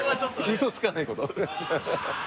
うそつかないこと。